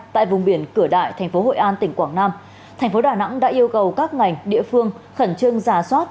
tại vùng biển cửa đại thành phố hội an tỉnh quảng nam thành phố đà nẵng đã yêu cầu các ngành địa phương khẩn trương giả soát